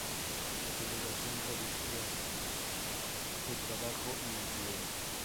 Delegación Provincial de Trabajo y Empleo.